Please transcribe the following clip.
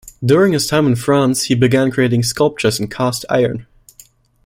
During his time in France he began creating sculptures in cast iron.